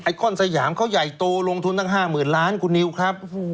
คอนสยามเขาใหญ่โตลงทุนตั้ง๕๐๐๐ล้านคุณนิวครับ